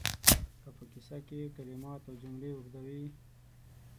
که په کیسه کې کلمات او جملې اوږدې وي